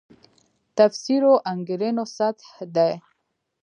تفسیرو انګېرنو سطح دی.